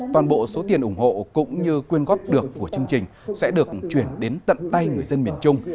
toàn bộ số tiền ủng hộ cũng như quyên góp được của chương trình sẽ được chuyển đến tận tay người dân miền trung